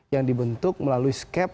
yang dibentuk melalui skep